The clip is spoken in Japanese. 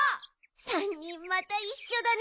３にんまたいっしょだね！